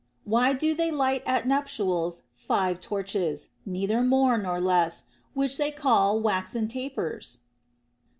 Why do they light at nuptials five torches, neither more nor less, which they call waxen tapers